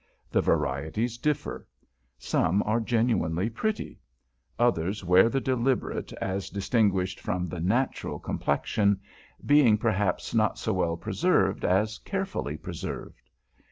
The varieties differ. Some are genuinely pretty; others wear the deliberate as distinguished from the natural complexion, being perhaps not so well preserved as carefully preserved.